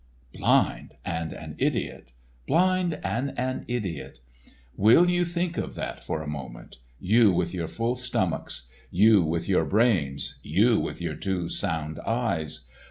Blind and an idiot! Blind and an idiot! Will you think of that for a moment, you with your full stomachs, you with your brains, you with your two sound eyes.